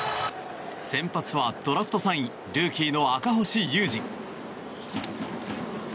先発はドラフト３位ルーキーの赤星優志。